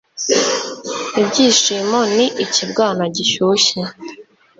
ibyishimo ni ikibwana gishyushye